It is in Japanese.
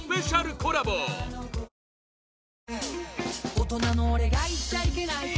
「大人の俺が言っちゃいけない事」